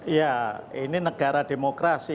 ya ini negara demokrasi